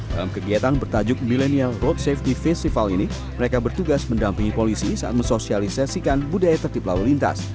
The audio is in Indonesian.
dalam kegiatan bertajuk millennial road safety festival ini mereka bertugas mendampingi polisi saat mensosialisasikan budaya tertib lalu lintas